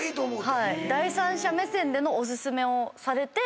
第三者目線でのお薦めをされて。